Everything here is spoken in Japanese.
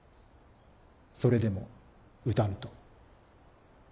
それでも打たぬと。